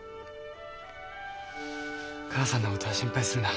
母さんのことは心配するな。